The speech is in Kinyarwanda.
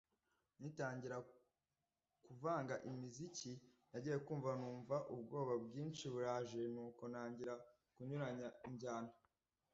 Nkitangira kuvanga imiziki, nagiye kumva numva ubwoba bwinshi buraje nuko ntangira kunyuranya injyana.”